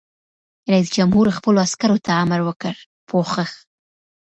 رئیس جمهور خپلو عسکرو ته امر وکړ؛ پوښښ!